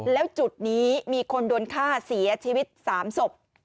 แล้วจุดนี้มีคนโดนฆ่าเสียชีวิต๓ศพ